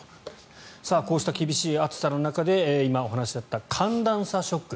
こうした厳しい暑さの中で今、お話にあった寒暖差ショック。